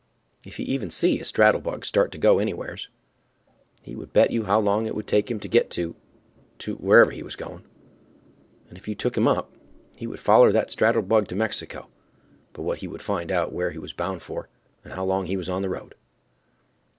If he even see a straddle bug start to go anywheres, he would bet you how long it would take him to get to—to wherever he was going to, and if you took him up, he would foller that straddle bug to Mexico but what he would find out where he was bound for and how long he was on the road.